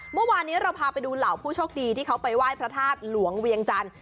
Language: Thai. เมื่อวานนี้เราพาไปดูเหล่าผู้โชคดีที่เขาไปไหว้พระธาตุหลวงเวียงจันทร์